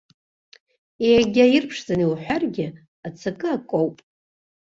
Егьа ирԥшӡаны иуҳәаргьы, аҵакы акоуп.